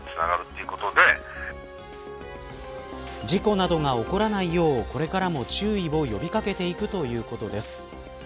事故などが起こらないようこれからも注意を呼び掛けていくということです。